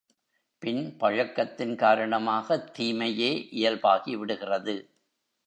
பின் பழக்கத்தின் காரணமாகத் தீமையே இயல்பாகிவிடுகிறது.